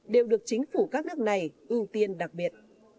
đều được chính phủ các nước này ưu tiên đặc biệt